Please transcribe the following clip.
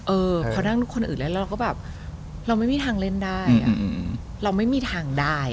เออพอนั่งทุกคนอื่นเล่นแล้วเราก็แบบเราไม่มีทางเล่นได้เราไม่มีทางได้